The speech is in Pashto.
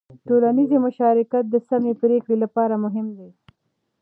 ټولنیز مشارکت د سمې پرېکړې لپاره مهم دی.